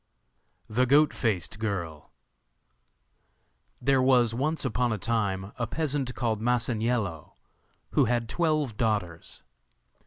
The Goat faced Girl There was once upon a time a peasant called Masaniello who had twelve daughters.